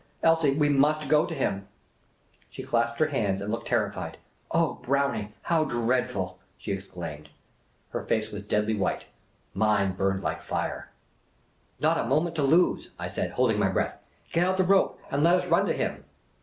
Elsie, we must go to him !'' She clasped her hands and looked terrified. *' Oh, Brownie, how dreadful !'' she exclaimed. Her face was deadly white. Mine burned like fire. 132 Miss Caylcy's Adventures " Not a moment to lose !" I said, holding my breath. " Get out the rope and let us run to him